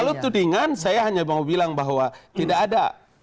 kalau tudingan saya hanya mau bilang bahwa tidak ada